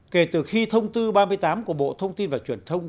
kể từ khi thông tư ba mươi tám của bộ thông tin và truyền thông